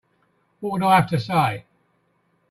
What would I have to say?